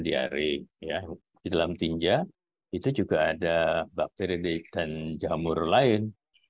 diare di dalam tinja itu juga ada bakteri diik dan jamur lain